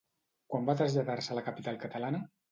Quan va traslladar-se a la capital catalana?